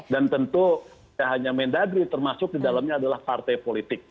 dan tentu tidak hanya mendagri termasuk di dalamnya adalah partai politik